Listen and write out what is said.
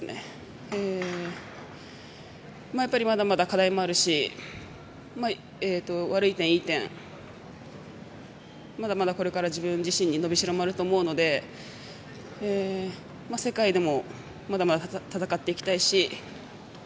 やっぱりまだまだ課題もあるし悪い点、いい点まだまだこれから自分自身に伸びしろもあると思うので世界でもまだまだ戦っていきたいし。